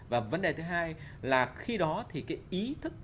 và vấn đề thứ hai là khi đó thì cái ý thức